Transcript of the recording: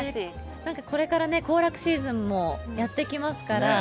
なんか、これから行楽シーズンもやって来ますから。